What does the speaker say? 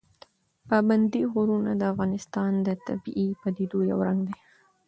پابندي غرونه د افغانستان د طبیعي پدیدو یو رنګ دی.